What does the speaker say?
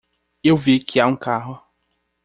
Eu vi que há um carro.